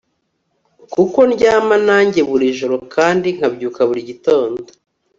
kuko ndyama nanjye buri joro kandi nkabyuka buri gitondo